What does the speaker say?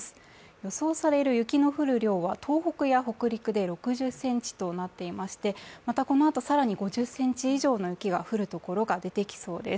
予想される雪の降る量は東北や北陸で６０ｃｍとなっていまして、またこのあと更に５０ｃｍ以上の雪が降る所が出てきそうです。